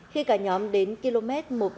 khi cả nhóm đến km một